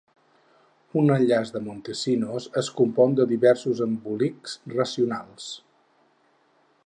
Un enllaç de Montesinos es compon de diversos embolics racionals.